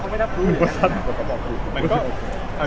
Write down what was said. เขาไม่รับรู้ยัง